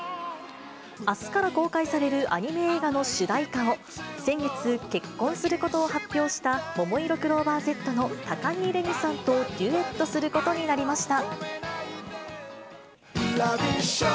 あすから公開されるアニメ映画の主題歌を、先月、結婚することを発表したももいろクローバーＺの高城れにさんとデュエットすることになりました。